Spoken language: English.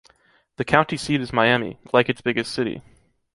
The county seat is Miami, like its biggest city.